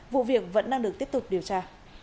vụ việc vẫn đang được tiếp tục điều tra